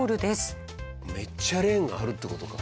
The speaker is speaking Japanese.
めっちゃレーンがあるって事か。